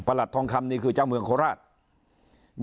หลัดทองคำนี่คือเจ้าเมืองโคราช